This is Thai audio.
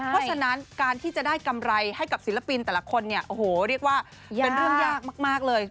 เพราะฉะนั้นการที่จะได้กำไรให้กับศิลปินแต่ละคนเนี่ยโอ้โหเรียกว่าเป็นเรื่องยากมากเลย